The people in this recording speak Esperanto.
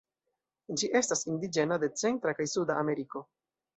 Ĝi estas indiĝena de Centra kaj Suda Ameriko.